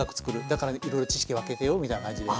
だからいろいろ知識分けてよみたいな感じで。